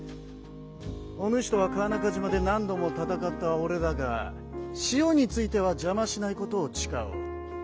お主とは川中島で何度も戦ったおれだが塩についてはじゃましないことをちかおう。